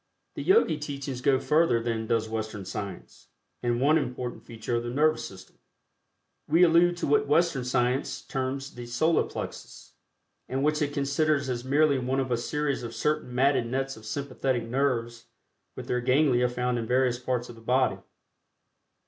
The Yogi teachings go further than does Western science, in one important feature of the Nervous System. We allude to what Western science terms the "Solar Plexus," and which it considers as merely one of a series of certain matted nets of sympathetic nerves with their ganglia found in various parts of the body.